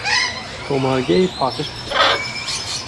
Tomargehê paqij bike.